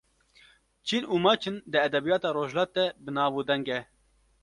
Çîn û Maçin di edebiyata rojhilat de bi nav û deng e.